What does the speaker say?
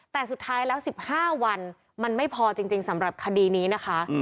แต่สุดท้ายแล้ว๑๕วันมันไม่พอจริงสำหรับคดีนี้นะคะ